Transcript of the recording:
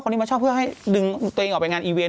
มาชอบเพื่อให้ดึงตัวเองออกไปงานอีเวนต